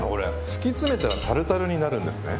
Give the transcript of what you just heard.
突き詰めたらタルタルになるんですね。